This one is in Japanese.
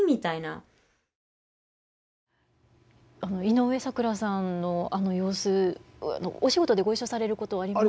井上咲楽さんのあの様子お仕事でご一緒されることあります？